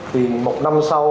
thì một năm sau